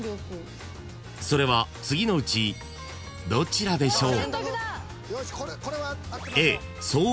［それは次のうちどちらでしょう？］